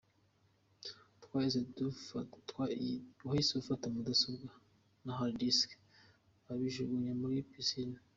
Wahise ufata mudasobwa na hard disk ubijugunya muri pisine”.